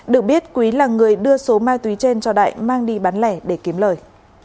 được biết quý là người đưa số ma túy trên cho đại mang đi bán lẻ để kiếm lời